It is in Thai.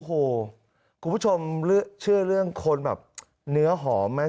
โอ้โหคุณผู้ชมเชื่อเรื่องคนแบบเนื้อหอมไหม